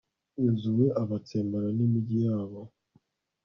yozuwe abatsembana n'imigi yabo